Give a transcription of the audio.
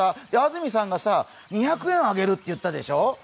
で、安住さんが２００円あげるって言ったでしょう？